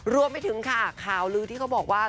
รวมไปถึงค่ะข่าวลือที่เขาบอกว่า